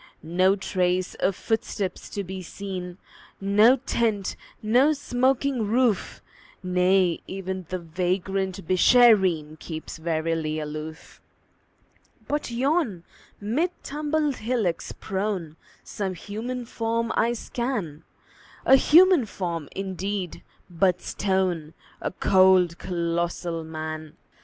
No trace of footsteps to be seen, No tent, no smoking roof; Nay, even the vagrant Beeshareen Keeps warily aloof. But yon, mid tumbled hillocks prone, Some human form I scan A human form, indeed, but stone: A cold, colossal Man!